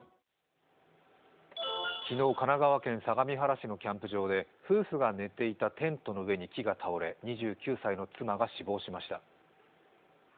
昨日、神奈川県相模原市のキャンプ場で夫婦が寝ていたテントの上に木が倒れ２９歳の妻が死亡しました。